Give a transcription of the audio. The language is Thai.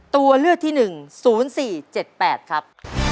ตัวเลือกที่๑๐๔๗๘ครับ